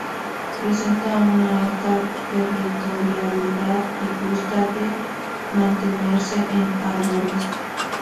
Presenta una alta territorialidad y gusta de mantenerse en árboles.